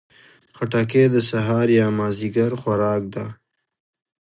خټکی د سهار یا مازدیګر خوراک ده.